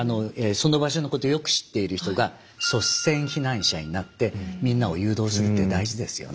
その場所のことよく知っている人が率先避難者になってみんなを誘導するって大事ですよね。